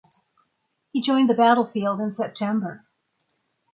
He joined battlefield in September.